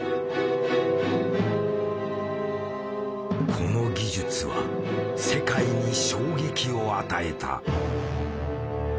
この技術は世界に衝撃を与えた。